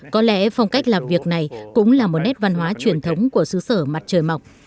có lẽ phong cách làm việc này cũng là một nét văn hóa truyền thống của xứ sở mặt trời mọc